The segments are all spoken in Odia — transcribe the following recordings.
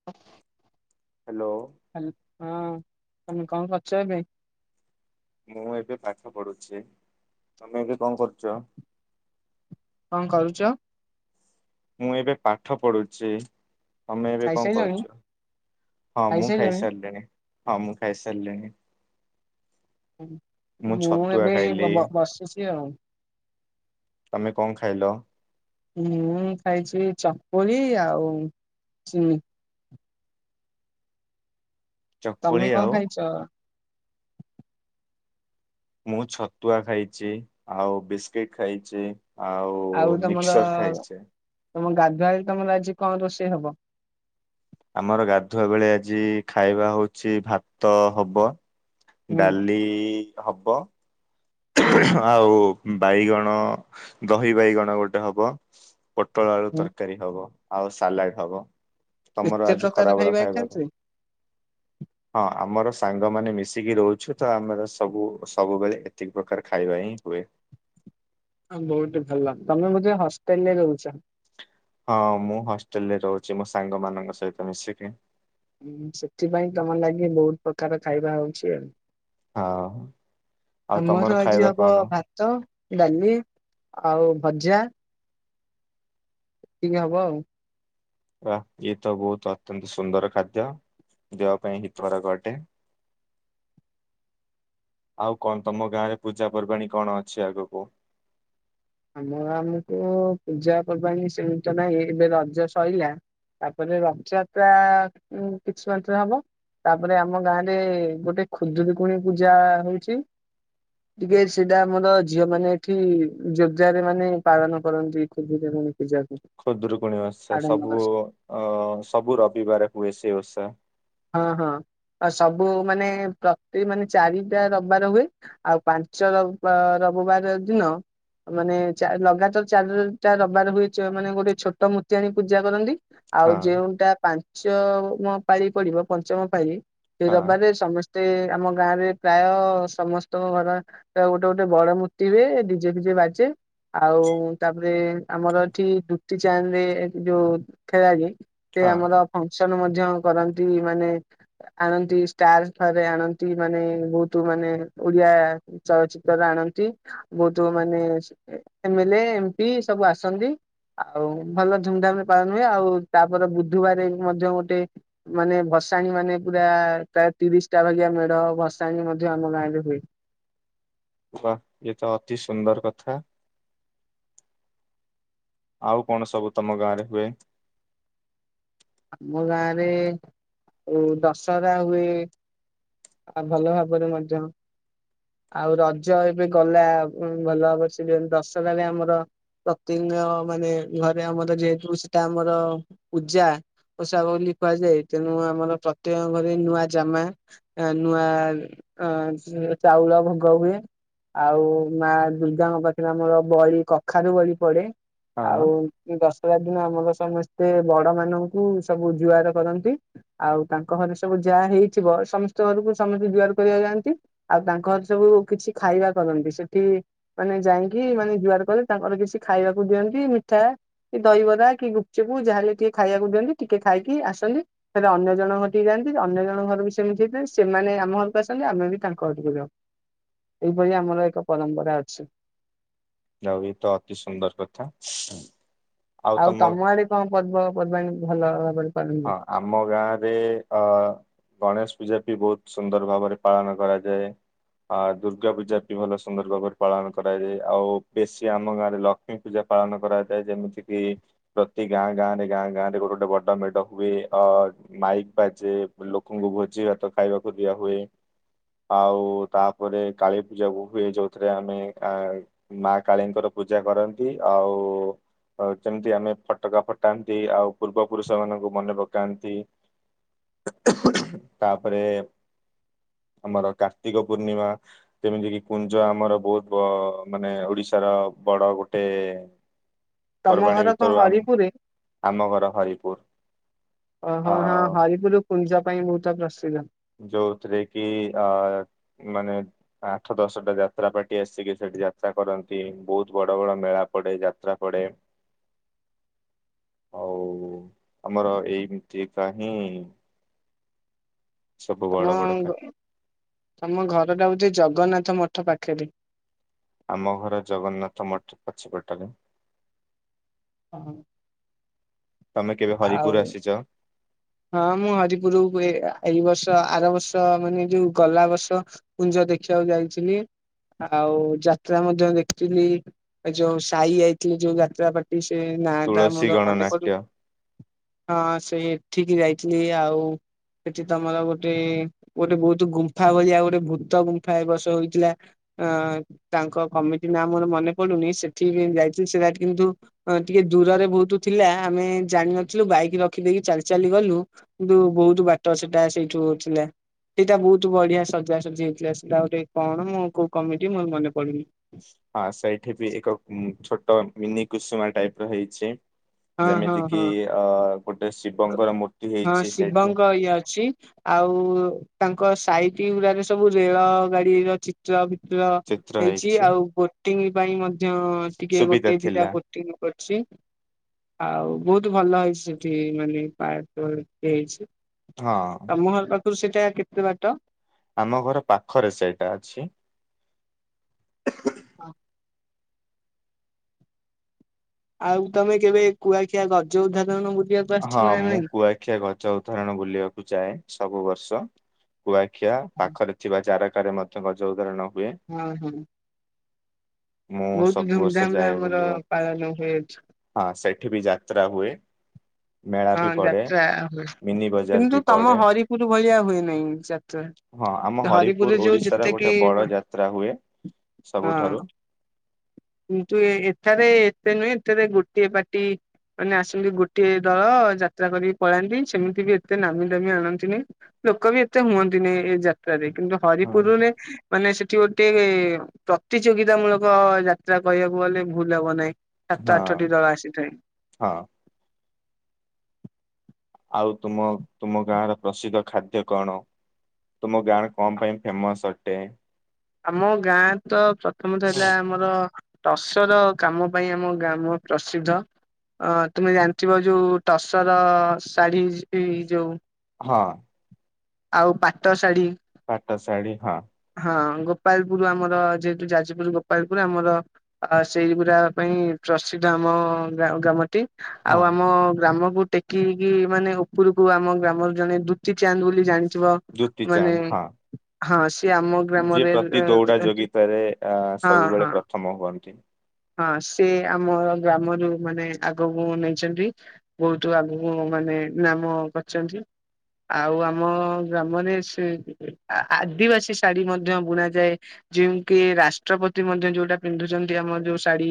[unintelligible] ହ୍ୟାଲୋ। ହ୍ୟା ହଁ ତମେ କଣ କରୁଛ ଏବେ? ମୁଁ ଏବେ ପାଠ ପଢୁଛି ତମେ ଏବେ କଣ କରୁଚ? କଣ କରୁଚ? ମୁଁ ଏବେ ପାଠ ପଢୁଛି। ତମେ ଏବେ କଣ ଖାଇସାରିଲଣି କରୁଚ? ହଁ ମୁଁ ଖାଇସାରିଲଣି? ଖାଇସାରିଲିଣି। ହଁ ମୁଁ ଖାଇସାରିଲିଣି। ମୁଁ ଛତୁଆ ଏବେ ଏଇ ଖାଇଲି। ବସିଛି ଆଉ। ତମେ କଣ ଖାଇଲ? ମୁଁ ଖାଇଛି ଚକୁଳି ଆଉ ଚିନି। ଚକୁଳି ତମେ କଣ ଆଉ ଖାଇଚ? ମୁଁ ଛତୁଆ ଖାଇଚି ଆଉ ବିସ୍କିଟ ଖାଇଚି। ଆଉ ମିକ୍ସଚର୍ ଖାଇଚି। ତମ ଗାଧୁଆବେଳେ ତମର ଆଜି କଣ ରୋଷେଇ ହବ? ଆମର ଗାଧୁଆ ବେଳେ ଆଜି ଖାଇବା ହଉଛି ଭାତ ହବ। ହୁଁ ଡାଲି ହବ। ହୁଁ ଆଉ ବାଇଗଣ ଦହି ବାଇଗଣ ଗୋଟେ ହବ। ପୋଟଳ ଆଳୁ ହୁଁ ତରକାରୀ ହବ ଆଉ ସାଲାଡ ହବ। ତମର ଏତେ ଆଜି ପ୍ରକାର ଖରାବେଳ ଖାଇବା ଖାଉଛ କଣ? ହଁ ଆମର ସାଙ୍ଗମାନେ ମିଶିକି ରହୁଛୁ ତ ଆମର ସବୁ ସବୁବେଳେ ଏତିକି ପ୍ରକାର ଖାଇବା ହିଁ ହୁଏ। ହଁ ବହୁତ ଭଲ। ତମେ ବୋଧେ ହଷ୍ଟେଲ ରେ ରୋହୁଚ? ହଁ ମୁଁ ହଷ୍ଟେଲ ରେ ରହୁଛି ମୋ ସାଙ୍ଗ ମାନଙ୍କ ସହିତ ମିଶିକି। ହୁଁ ସେଥିପାଇଁ ତମର ଲାଗି ବହୁତ ପ୍ରକାର ଖାଇବା ହଉଚି ଆଉ। ଆଉ ତମର ଆମର ଆଜି ଖାଇବା ହବ କଣ ଭା ଭାତ ଡାଲି ଆଉ ଭଜା। ଏତିକି ହବ ଆଉ। ବା ଇଏ ତ ବୋହୁତ ଅତ୍ୟନ୍ତ ସୁନ୍ଦର ଖାଦ୍ୟ ଦେହ ପାଇଁ ହି ତକାରକ ଅଟେ। ଆଉ କଣ ତମ ଗାଁ ରେ ପୂଜା ପର୍ବାଣୀ କଣ ଅଛି ଆଗକୁ? ଆମର ଆମକୁ ପୂଜା ପର୍ବାଣି ସେମି ତ ନାହିଁ ଏବେ ରଜ ସଇଲା। ତାପରେ ରଥଯାତ୍ରା କିଛି ସମ [unintelligible] ହବ ତାପରେ ଆମ ଗାଁ ରେ ଗୋଟେ ଖୁଦୂରୁକୁୁଣି ପୂଜା ହୋଉଚି। ଟିକେ ସେଇଟା ଆମର ଝିଅ ମାନେ ଏଠି ଯୋର ଜାରେ ରେ ମାନେ ପାଳନ କରନ୍ତି ଖୁଦୁରୁକୁଣୀ। ପୂଜାକୁ ଖୁଦରୁକୁଣୀ ଓଷା ସବୁ ଆଡମ୍ବର ଅ ସବୁ ରବିବାରେ ହୁଏ ସେ ଓଷା। ହଁ ହଁ ସବୁ ମାନେ ପ୍ରତି ମାନେ ଚାରିଟା ରବିବାରେ ହୁଏ। ଆଉ ପାଞ୍ଚ ରବି ରବିବାର ଦିନ ମାନେ ଚା ଲଗାତାର ଚାରି ଟା ରବିବାର ହୁଏ ଚ ମାନେ ଗୋଟେ ଛୋଟ ମୂର୍ତ୍ତି ଆଣି ପୂଜା କରନ୍ତି। ଆଉ ହଁ ଯେଉଁଟା ପାଞ୍ଚମ ପାଳି ପଡିବ ପଞ୍ଚମ ପାଳି ସେ ରବି ହଁ ବାରେ ସମସ୍ତେ ମତେ ଆମ ଗାଁରେ ପ୍ରାୟ ସମସ୍ତଙ୍କ ଘର ଗୋଟେ ଗୋଟେ ବଡ ମୂର୍ତ୍ତି ହୁଏ ଦି ଡି ଜେ ଫିଜେ ବାଜେ ଆଉ ତାପରେ ଆମର ଏଠି ଦୁତି ଚାନ୍ଦେ ଯୋଉ ଖେଳାଳୀ ସେ ହଁ ଆମର ଟି ଫଙ୍କସନ୍ ମଧ୍ୟ କରନ୍ତି ମାନେ ଆଣନ୍ତି ଷ୍ଟାରେ ଫାରେ ଆଣନ୍ତି ମାନେ ବୋହୁତ ମାନେ ଓଡିଆ ଚଳଚ୍ଚିତ୍ର ଆଣନ୍ତି ବୋହୁତ ଲୋକମାନେ M L A M P ସବୁ ଆସନ୍ତି। ଆଉ ଭଲ ଧୁମଧାମ଼୍ ରେ ପାଳନ ହୁଏ ଆଉ ତାପରେ ବୁଧବାରେ ବି ମଧ୍ୟ ଗୋଟେ ମାନେ ଭସାଣୀ ମାନେ ପୁରା ପ୍ରାୟ ତିରିଶ ଟା ଭଳିଆ ମେଢ ଭସାଣି ମଧ୍ୟ ଆମ ଗାଁ ରେ ହୁଏ। ବାଃ ଏ ତ ଅତି ସୁନ୍ଦର କଥା। ଆଉ କଣ ସବୁ ତମ ଗାଁ ରେ ହୁଏ? ଆମ ଗାଁରେ ଉଁ ଦଶହରା ହୁଏ। ଆଉ ଭଲ ଭାବରେ ମଧ୍ୟ ଆଉ ରଜ ଏବେ ଗଲା ଭଲ ଭାବ ସେ ଦଶହରାରେ ଆମର। ପ୍ରତିଦିନମାନେ ଘରେ ଆମର ଯେହେତୁ ସେଟା ଆମର ପୂଜା ଓଷା ବୋଲି କୁହାଯାଏ ତେଣୁ ଆମର ପ୍ରତ୍ୟେକଙ୍କ ଘରେ ନୂଆ ଜାମା। ନୂଆ ଅ ଚାଉଳ ଭୋଗ ହୁଏ ଆଉ ମା ଦୁର୍ଗାଙ୍କ ପାଖରେ ଆମର ବଳି କଖାରୁ ବଳି ପଡେ ହଁ ଆଉ ଦଶହରା ଦିନ ଆମର ସମସ୍ତେ ବଡ ମାନଙ୍କୁ ସବୁ ଜୁଆର କରନ୍ତି। ଆଉ ତାଙ୍କ ଘରେ ସବୁ ଯାହା ହେଇଥିବ ସମ ଘରକୁ ସମସ୍ତେ ଜ୍ଵହାର କରିବାକୁ ଯାଆନ୍ତି ଆଉ ତାଙ୍କ ଘର ସବୁ କିଛି ଖାଇବା କରନ୍ତି ସେଠି ମାନେ ଯାଇଁକି ମାନେ ଜୁହାର କଲେ ତାଙ୍କର କିଛି ଖାଇବାକୁ ଦିଅନ୍ତି ମିଠା। ଦହିବରା କି ଗୁପଚୁପୁ ଯାହାହଲେ ଟିକେ ଖାଇବାକୁ ଦିଅନ୍ତି ଟିକେ ଖାଇକି ଆସନ୍ତି। ହେଲେ ଅନ୍ୟ ଜଣ ଘରଠିକି ଯାଆନ୍ତି ଅନ୍ୟ ଜଣଙ୍କ ଘର ବି ସେମତି ହେଇଥାଏ। ସେମାନେ ଆମ ଘରକୁ ଆସନ୍ତି ଆମେ ବି ତାଙ୍କ ଘରକୁ ଯାଉ ଏଇଭଳି ଆମର ଏକ ପରମ୍ପରା ଅଛି। ଯାହା ହେଉ ଇଏତ ଅତି ସୁନ୍ଦର କଥା। ଆଉ ତମ ଆଡେ କଣ ପର୍ବ ପର୍ବାଣୀ ଭଲ ଭାବରେ? ପାଳନ ହଁ ହୁଏ? ଆମ ଆମ ଗାଁରେ ଅ ଗଣେଶ ପୂଜା ବି ବହୁତ ସୁନ୍ଦର ଭାବରେ ପାଳନ କରାଯାଏ। ଆ ଦୁର୍ଗା ପୂଜା ବି ଭଲ ସୁନ୍ଦର ଭାବରେ ପାଳନ କରାଯାଏ ଆଉ ବେଶୀ ଆମ ଗାଁରେ ଲ ଲକ୍ଷ୍ମୀ ପୂଜା ପାଳନ କରାଯାଏ ଯେମିତି କିି ପ୍ରତି ଗାଁ ଗାଁ ରେ ଗାଁ ଗାଁ ରେ ଗୋଟେ ଗୋଟେ ବଡ ମେଢ। ହୁଏ ଅ ମାଇକ୍ ବାଜେ ଲୋକଙ୍କୁ ଭୋଜି ଭାତ ଖାଇବାକୁ ଦିଆ ହୁଏ। ଆଉ ତାପରେ କାଳୀ ପୂଜା ବି ହୁଏ ଯୋଉଥିରେ ଆମେ କା ମା କାଳୀଙ୍କର ପୂଜା କରନ୍ତି ଆଉ ଆଉ ଯେମିତି ଆମେ ଫଟକା ଫଟାନ୍ତି ଆଉ ପୂର୍ବ ପୁରୁଷ ମାନଙ୍କୁ ମନେ ପକାନ୍ତି ତାପରେ ଆମର କାର୍ତ୍ତିକ ପୂର୍ଣ୍ଣିମା। ଯେମିତି କିି କୁଞ୍ଜ ଆମର ବହୁତ ମାନେ ଓଡିଶାର ବଡ ଗୋଟେ ତମ ପର୍ବାଣୀ ଘର କଣ ଭିତରୁ ଆମ ହରିପୁରରେ ଆମ ଘର ହରିପୁର। ଓହୋ ଆ ହଁ ହରିପୁର କୁଞ୍ଜ ପାଇଁ ବହୁତ ପ୍ରସିଦ୍ଧ। ଯୋଉଥିରେ କି ଆ ମାନେ ଆଠ ଦଶଟା ଯାତ୍ରା ପାର୍ଟି ଆସିକି ସେଠି ଯାତ୍ରା କରନ୍ତି ବହୁତ ବଡ ବଡ ମେଳା ପଡେ ଯାତ୍ରା ତା ପଡ଼େ। ଆଉ ଆମର ଏଇ ଯିବା ହିଁ। ସବୁ ବଡ ବଡ କା [unintelligible] ତମ ଘରଟା ହଉଛି ଜଗନ୍ନାଥ ମଠ ପାଖରେ। ଆମ ଘର ଜଗନ୍ନାଥ ମଠ ପଛପଟରେ। ହଁ। ତମେ କେବେ ହରିପୁର ଆସିଛ। ହଁ ମୁଁ ହରିପୁର ହୁଏ ଏଇ ବର୍ଷ ଆର ବର୍ଷ ମାନେ ଯୋଉ ଗଲା ବର୍ଷ। କୁଞ୍ଜ ଦେଖିବାକୁ ଯାଇଥିଲି। ଆଉ ଯାତ୍ରା ମଧ୍ୟ ଦେଖିଲି ଏ ଯୋଉ ସାଇ ଆଇଥିଲେ ଯୋଉ ଯାତ୍ରା ପା। ସେ ନା ଟା ତୁଳସୀ ମୋର ମନେ ପଡୁନି। ଗଣନାଟ୍ୟ ହଁ ସେଠିକି ଯାଇଥିଲି ଆଉ ସେଠି ତମର ଗୋଟେ ଗୋଟେ ବହୁତ୍ ଗୁମ୍ଫା ଭଳିଆ ଗୋଟେ ଭୂତ ଗୁମ୍ଫା ଏ ବର୍ଷ ହୋଇଥିଲା। ଅଁ ତାଙ୍କ କମିଟି ନା ମୋର ମନେ ପଡୁନି ସେଠିକି ଯାଇଚୁ ସେରା କିନ୍ତୁ ଅ ଟିକେ ଦୂରରେ ବହୁତୁ ଥିଲା ଆମେ ଜାଣିିନଥିଲୁ ବାଇକ୍ ରଖିଦେଇକି ଚାଲି ଚାଲି ଗଲୁ କିନ୍ତୁ ବହୁତୁ ବାଟ ସେଟା ସେଇଠୁ ଥିଲା। ଏଇଟା ବହୁତୁ ବଢିଆ ସଜାସଜି ହେଇଥିଲା ସେଇଟା ଗୋଟେ କଣ ମୁଁ କୋଉ କମିଟି ମୋର ମନେ ପଡୁନି। ହଁ ସେଇଠି ବି ଏକ ଛୋଟ ମିନି କୁସୁମା ଟାଇପ୍ ର ହେଇଛି। ହଁ ହଁ ଯେମିତି କିି ହଁ ଅ ଗୋଟେ ଶିବଙ୍କର ମୂର୍ତ୍ତି ହଁ ହେଇଚି ସେଠି। ଶିବଙ୍କ ଇଏ ଅଛି। ଆଉ ତାଙ୍କ ସାଇଟି ଗୁଡାାରେ ସବୁ ରେଳ ଗାଡିର ଚି ତ୍ର ଭିତ୍ର ଚିତ୍ର ହେଇଚି ହେଇଛି। ଆଉ ବୋଟିଂ ପାଇଁ ମଧ୍ୟ ଟିକେ ସୁବିଧା ଗୋଟେ ଥିଲା ଦିଟା [inaudible] କର୍ ଚି ଆଉ ବହୁତ୍ ଭଲ ହେଇଛି ସେଠି ମାନେ ପାର୍କ ଘରିକା ହେଇଛି। ହଁ ତମ ଘର ପାଖରୁ ସେଟା କେତେ ବାଟ? ଆମ ଘର ପାଖରେ ସେଇଟା ଅଛି। ହ ହ [inaudible] ଆଉ ତମେ କେବେ କୁଆଖିଆ ଗଜ ଉଦାହରଣ ବୁଲିଆକୁ ହଁ ମୁଁ କୁଆଖିଆ ଗଜ ଉଦାହରଣ ବୁଲିବାକୁ ଯାଏ ସବୁ ବର୍ଷ। କୁଆଖିଆ ପାଖରେ ଥିବା ଚାରାକାରେ ମଧ୍ୟ ଗଜ ଉଦାହରଣ ହୁଏ। ଆ ହଁ। ମୁଁ ବହୁତ ସବୁ ବର୍ଷ ଧୁମଧାମରେ ଯାଏ ଆମର ବୁଲିବା ପାଳନ ହୁଏ ଏଠି। ହଁ ସେଠି ବି ଯାତ୍ରା ହୁଏ। ମେଳା ବି ହଁ ପଡେ ଯାତ୍ରା ହୁଏ ମିନି ବଜାର ବି କିନ୍ତୁ ତମ ପଡେ। ହରିପୁର ଭଳିଆ ହୁଏ ନାହିଁ ଯାତ୍ର? ହଁ ଆମ ହରିପୁର ଓଡ଼ିଶା ର ଗୋଟେ ବଡ ଯାତ୍ରା ହୁଏ ହଁ ସବୁଠାରୁ। କିନ୍ତୁ ଏଥାରେ ଏତେ ନୁହେଁ ଏଥିରେ ଗୋଟିଏ ପାଟି ମାନେ ଆସନ୍ତି ଗୋଟଏ ଦଳ ଯାତ୍ରା କରିକି ପଳାନ୍ତି ସେମିତି ବି ଏତେ ନାମୀ ଦାମୀ ଆଣନ୍ତିନି। ଲୋକ ବି ଏତେ ହୁଅନ୍ତିନି ଏ ଯାତ୍ରାରେ କିନ୍ତୁ ହଁ ହରିପୁରରେ ମାନେ ସେଠି ଗୋଟେ ପ୍ରତିଯୋଗିତା ମୂଳ କ ଯାତ୍ରା କହିବାକୁ ଗଲେ ଭୁଲ୍ ହବ ନାହିଁ ସାତ ହଁ ଆଠଟି ଦଳ ଆସିଥାଏ। ହଁ। ଆଉ ତୁମ ତୁମ ଗାଁ ର ପ୍ରସିଦ୍ଧ ଖାଦ୍ୟ କଣ? ତୁମ ଗାଁର କଁ ପାଇଁ ଫେମସ୍ ଅଟେ? ଆମ ଗାଁ ତ ପ୍ରଥମତଃ ହେଲା ଆମର ଟସର କାମ ପାଇଁ ଆମ ଗ୍ରାମ ପ୍ରସିଦ୍ଧ। ଅ ତୁମେ ଜାଣିଥିବ ଯୋଉ ଟସର ଶାଢ଼ୀ ବି ଯୋଉ? ହଁ। ଆଉ ପାଟ ଶାଢ଼ୀ ପାଟ ଶାଢ଼ୀ ହଁ। ହଁ ଗୋପାଳପୁର ଆମର ଯେହେତୁ ଯାଜପୁର ଗୋପାଳପୁର ଆମର ଆ ସେଇଗୁରା ପାଇଁ ପ୍ରସିଦ୍ଧ ଆମ ଗ୍ରା ଗ୍ରାମ ଟି। ଆଉ ହଁ ଆମ ଗ୍ରାମକୁ ଟେକି ହେଇକି ମାନେ ଉପରକୁ ଆମ ଗ୍ରାମର ଜଣେ ଦୁତି ଚାନ୍ଦ ବୋଲି ଜାଣିଥିବ ଦୁତି ମାନେ ଚାନ୍ଦ ହଁ ହଁ ସିଏ ଆମ ଯିଏ ଗ୍ରାମରେ ପ୍ରତି ଦୌଡା ରହନ୍ତି। ଉଥମ [inaudible] ହୁଅନ୍ତି। ହଁ ସେ ଆମ ଗ୍ରାମରୁ ମାନେ ଆଗକୁ ନେଇଚନ୍ତି। ବହୁତୁ ଆଗକୁ ମାନେ ନାମ କଚନ୍ତି। ଆଉ ଆମ ଗ୍ରାମରେ ସେ ଆ ଆଦିବାସୀ ଶାଢୀ ମଧ୍ୟ ବୁଣା ଯାଏ। ଯେମିକିି ରାଷ୍ଟ୍ରପତି ମଧ୍ୟ ଯୋଉଟା ପିନ୍ଧୁଚନ୍ତି ଆମର ଯୋଉ ଶାଢୀ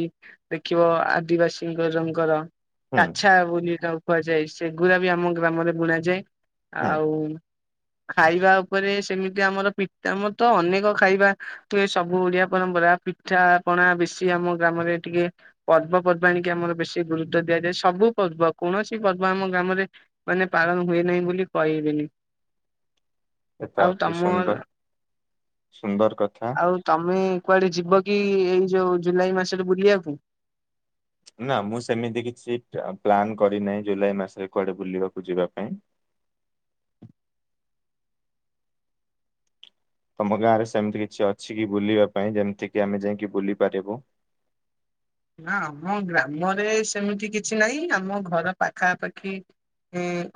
ଦେଖିବ ଆଦିବାସୀଙ୍କର ହୁଁ [unintelligible] ଛା ବୋଲି ତାକୁ କୁହାଯାଏ ସେଗୁଡ଼ାବି ଆମ ଗ୍ରାମରେ ବୁଣାଯାଏ ହୁଁ ଆଉ ଖାଇବା ଉପରେ ସେମିତି ଆମର ପି ଆମରତ ଅନେକ ଖାଇବା ତ ଏସବୁ ଓଡିଆ ପରମ୍ପରା ପିଠା ପଣା ବେଶୀ ଆମ ଗ୍ରାମରେ ଟିକେ ପର୍ବ ପର୍ବା ଆଣିକି ଆମର ବେଶୀ ଗୁରୁତ୍ଵ ଦିଆଯାଏ ସବୁ ପର୍ବ କୌଣସି ପର୍ବ ଆମ ଗ୍ରାମରେ ମାନେ ପାଳନ ହୁଏ ନାହିଁ ବୋଲି କହିବେନି। ଏତ ଆଉ ଅତି ତମ ସୁନ୍ଦର ସୁନ୍ଦର କଥା ଆଉ ତମେ କୁଆଡ଼େ ଯିବକି ଏଇ ଯୋଉ ଜୁଲାଇ ମାସରେ ବୁଲିବାକୁ? ନା ମୁଁ ସେମିତି କିଛି ପା ପ୍ଲାନ୍ କରିନାହିଁ ଜୁଲାଇ ମାସରେ କୁଆଡ଼େ ବୁଲିବାକୁ ଯିବା ପାଇଁ ତମ ଗାଁରେ ସେମିତି କିଛି ଅଛିକି ବୁଲିବା ପାଇଁ ଯେମିତିକିି ଆମେ ଯାଇକି ବୁଲି ପାରିବୁ? ନା ଆମ ଗ୍ରାମରେ ସେମିତି କିଛି ନାହିଁ ଆମ ଘର ପାଖାପାଖି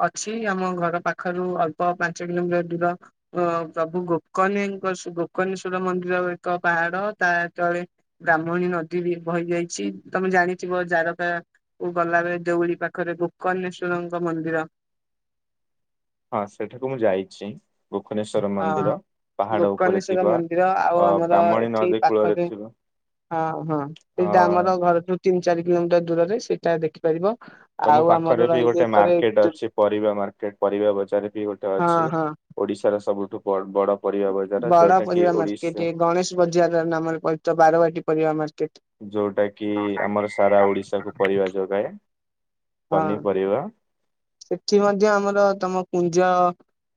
ଅଛି ଆମ ଘର ପାଖରୁ ଅଳ୍ପ ପାଞ୍ଚ କିଲୋମିଟର୍ ଦୂର ଅ ସବୁ ଗୋକନୀଙ୍କ ଗୋକନେଶ୍ଵର ମନ୍ଦିର ଏକ ପାହାଡ଼ ତାତଳେ ବ୍ରାହ୍ମଣୀ ନଦୀବି ବହି ଯାଇଚି ତମେ ଜାଣିଥିବ ଜାରକା ଓ ଗଲାବେଳେ ଧଉଳି ପାଖରେ ଗୋକଣେଶ୍ଵରଙ୍କ ମନ୍ଦିର ହଁ ସେଠାକୁ ମୁଁ ଯାଇଛି। ଗୁଖନେଶ୍୍ୱଵର ମନ୍ଦିର ହଁ ପାହାଡ଼ ଉପରେ ଗୋକର୍ଣ୍ଣେଶ୍ଵର ଥିବା ମନ୍ଦିର ଆଉ ଅ ଆମର ବ୍ରାହ୍ମଣୀ ଏଠି ନଦୀ କୂଳରେ ପାଖରେ ଥିବ ହଁ ହଁ ସେଇଟା ଆମର ଘରଠୁ ତିନି ଚାରି କିଲୋମିଟର୍ ଦୂରରେ ସେଇଟା ଦେଖିପାରିବ ତମ ଆଉ ଆମର ପାଖରେବି ରହିଲେ ଗୋଟେ ଏକରେ ମାର୍କେଟ ଦୁ ଅଛି ପରିବା ମାର୍କେଟ ପରିବା ବଜାରବି ଗୋଟେ ହଁ ଅଛି ହଁ ଓଡ଼ିଶାର ସବୁଠୁ ବଡ଼ ପରିବା ବ ବଡ଼ ପରିବା ମାର୍କେଟ ଏ ଗଣେଶ ବଜାର ନାମରେ ପରି ବାରବାଟୀ ପରିବା ମାର୍କେଟ। ଯୋଉଟାକି ଆମର ସାରା ଓଡ଼ିଶାକୁ ପରିବା ଯୋଗାଏ ହଁ ପନିପରିବା। ସେଠି ମଧ୍ୟ ଆମର ତମ ପୁଞ୍ଜ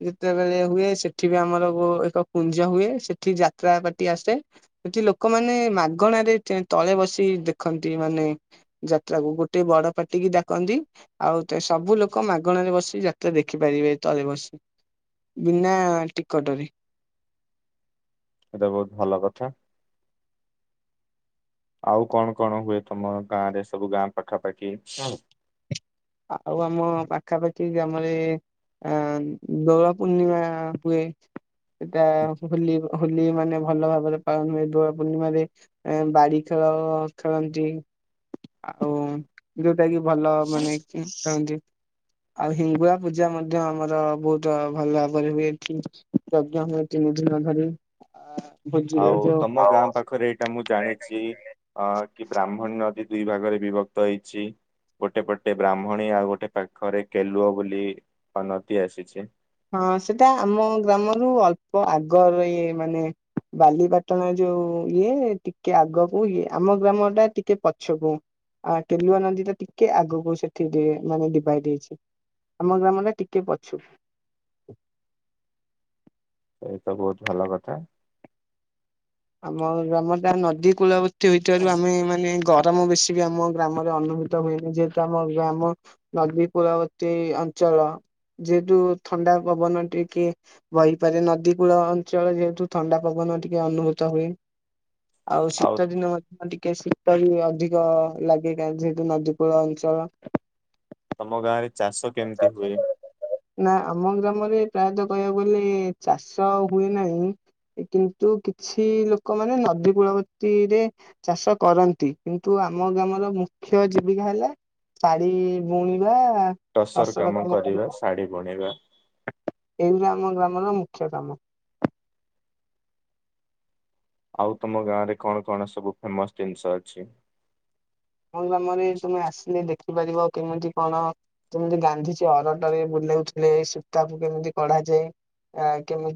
ଯେତେବେଳେ ହୁଏ ସେଠିବି ଆମର ଏକ କୁଞ୍ଜ ହୁଏ ସେଠି ଯାତ୍ରା କତି ଆସେ ଏଠି ଲୋକମାନେ ମାଗଣାରେ ତଳେ ବସି ଦେଖନ୍ତି ମାନେ ଯାତ୍ରାକୁ ଗୋଟେ ବଡ଼ ପାଟିିକି ଡକନ୍ତି ଆଉ ସବୁ ଲୋକ ଲୋକ ମାଗଣାରେ ବସି ଯାତ୍ରା ଦେଖିପାରିବେ ତଳେ ବସି ବିନା ଟିକଟରେ। ଏଇଟା ବହୁତ୍ ଭଲ କଥା। ଆଉ କଣ କଣ ହୁଏ ତମ ଗାଁରେ ସବୁ ଗାଁ ପାଖାପାଖି? ଆଉ ଆମ ପାଖାପାଖି ଆମରେ ଅ ଦୋଳ ପୂର୍ଣ୍ଣିମା ହୁଏ ସେଟା ହୋଲି ହୋଲି ମାନେ ଭଲ ଭାବରେ ପାଳନ ହୁଏ ଦୋଳ ପୂର୍ଣ୍ଣିମାରେ ଏ ବାଡ଼ି ଖେଳ ଖେଳନ୍ତି ଆଉ ଯୋଉଟାକି ଭଲ ମାନେ ଚାହୁଁନ୍ତି ଆଉ ହିଙ୍ଗୁଳା ପୂଜା ମଧ୍ୟ ଆମର ବହୁତ୍ ଭଲ ଭାବରେ ହୁଏ ଏଠି। ଯଜ୍ଞ ହୁଏ ତିନି ଦିନ ଧରି ଭୋଜିରେ ଯଉ ସେଟା ମୁଁ ଜାଣିଛି ଅ କି ବ୍ରାହ୍ମଣୀ ନଦୀ ଦୁଇ ଭାଗରେ ବିଭକ୍ତ ହେଇଛି। ଗୋଟେ ପଟେ ବ୍ରାହ୍ମଣୀ ଆଉ ଗୋଟେ ପାଖରେ କେଲୁଅ ବୋଲି ଅନତି ଆସିଛି। ହଁ ସେଟା ଆମ ଗ୍ରାମରୁ ଅଳ୍ପ ଆଗରେ ଇଏ ମାନେ ବାଲିପାଟଣା ଯୋଉ ଇଏ ଟିକେ ଆଗକୁ ଇଏ ଆମ ଗ୍ରାମଟା ଟିକେ ପଛକୁ। ଆ କେଲୁଆ ନଦୀଟା ଟିକେ ଆଗକୁ ସେଠି ମାନେ ଡିଭାଇଡ ହେଇଚି‌ ଆମ ଗ୍ରାମଟା ଟିକେ ପଛକୁ। ଏଇତ ବହୁତ୍ ଭଲ କଥା। ଆମର ଆମର ତଯାର ନଦୀ କୂଳବର୍ତ୍ତୀ ଭଥିବାରୁ ଆମେ ମାନେ ଗରମ ବେଶୀବି ଆମ ଗ୍ରାମରେ ଅନୁଭୂତ ହୁଏନି ଯେହେତୁ ଆମ ଗ୍ରାମ ନଦୀ କୁଳବର୍ତ୍ତୀ ଅଞ୍ଚଳ ଯେହେତୁ ଥଣ୍ଡା ପବନ ଟେ କି ବହିପାରେ ନଦୀ କୂଳ ଅଞ୍ଚଳ ଯେହେତୁ ଥଣ୍ଡା ପବନ ଟିକେ ଅନୁଭୂ ତ ହୁଏ ଆଉ ଶୀତ ଦିନ ହୁଏ ହଁ ଟିକେ ଶୀ ତ ବି ହୁଏ ଅଧିକ ଲାଗେ କାହିଁକି ସେତୁ ନଦୀ କୂଳ ଅଞ୍ଚଳ ତମ ଗାଁ ରେ ଚାଷ କେମିତି ହୁଏ ନା ଆମ ଗ୍ରାମରେ ପ୍ରାୟତଃ କହିବାକୁ ଗଲେ ଚାଷ ଆଉ ହୁଏ ନାହିଁ ଏ କିନ୍ତୁ କିଛି ଲୋକମାନେ ନଦୀ କୂଳବର୍ତ୍ତିରେ ଚାଷ କରନ୍ତି କିନ୍ତୁ ଆମ ଗ୍ରାମର ମୁଖ୍ୟ ଜୀବିକା ହେଲା ଶାଢୀ ବୁଣିବା ଟସର କାମ କରିବା ଶାଢ଼ୀ ବୁଣିବା ଏଇରା ଆମ ଗ୍ରାମର ମୁଖ୍ୟ କାମ ଆଉ ତମ ଗାଁ ରେ କଣ କଣ ସବୁ ଫେମସ ଜିନିଷ ଅଛି ମୋ ଗ୍ରାମରେ ତୁମେ ଆସିଲେ ଦେଖିପାରିବ କେମିତି କଣ କେମିତି ଗାନ୍ଧିଜୀ ଅରଟରେ ବୁଲଉଥିଲେ ସୂତାକୁ କେମିତି କଢାଯାଏ ଆ କେମିତି